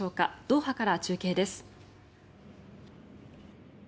ドーハから中継です。